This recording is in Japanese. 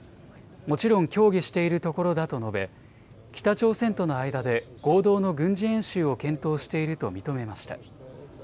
もちろん協議しているところだと述べ、北朝鮮との間で合同の軍事演習を検討していると認めました。